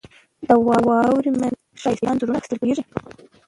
• د واورې مینځ کې ښایسته انځورونه اخیستل کېږي.